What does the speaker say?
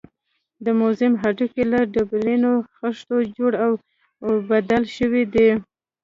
د موزیم هډوکي له ډبرینو خښتو جوړ او اوبدل شوي دي.